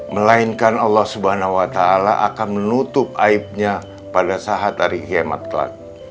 melainkan allah swt akan menutup aibnya pada saat hari hemat klan